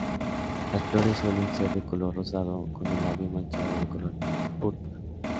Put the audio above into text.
Las flores suelen ser de color rosado, con el labio manchado de color púrpura.